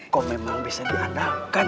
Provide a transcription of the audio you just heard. kau memang bisa diandalkan